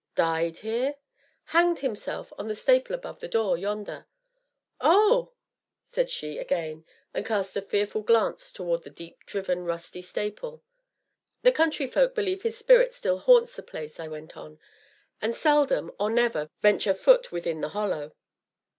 "Died here?" "Hanged himself on the staple above the door, yonder." "Oh!" said she again, and cast a fearful glance towards the deep driven, rusty staple. "The country folk believe his spirit still haunts the place," I went on, "and seldom, or never, venture foot within the Hollow."